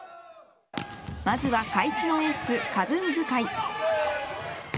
まずは開智のエースカズンズ海。